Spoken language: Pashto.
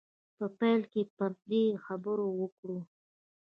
په پایله کې به پر دې خبرې وکړو.